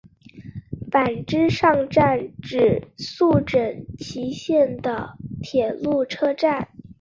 坂之上站指宿枕崎线的铁路车站。